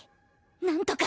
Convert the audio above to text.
なんとか